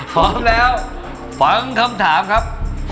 ขอตอบเร่งทำถามครับ